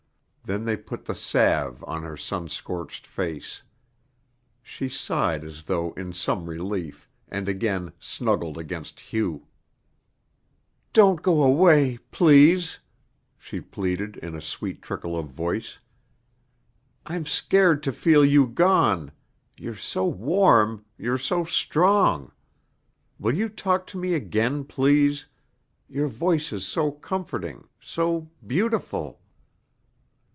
Then they put the salve on her sun scorched face. She sighed as though in some relief, and again snuggled against Hugh. "Don't go away, please," she pleaded in a sweet trickle of voice. "I'm scared to feel you gone. You're so warm. You're so strong. Will you talk to me again, please? Your voice is so comforting, so beau ti ful."